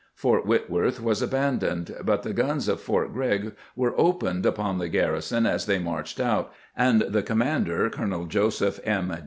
Fort Whitworth was abandoned, but the guns of Fort Grregg were opened upon the garrison as they marched out, and the commander, Colonel Joseph M.